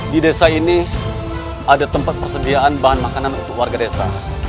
di desa ini ada tempat persediaan bahan makanan untuk warga desa